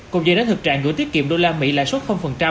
cùng dây đá thực trạng gửi tiết kiệm đô la mỹ lãi suất